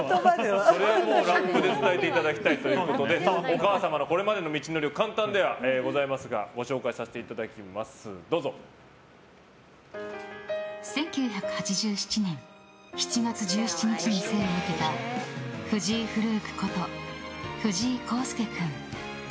それはラップで伝えていただきたいということでお母様のこれまでの道のりを簡単ではございますが１９８７年７月１７日に生を受けたＦｕｊｉｉＦｌｕｋｅこと藤井洸佑君。